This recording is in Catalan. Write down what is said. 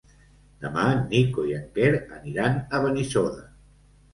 Demà en Nico i en Quer aniran a Benissoda.